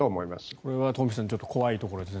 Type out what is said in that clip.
これは東輝さん怖いところですね。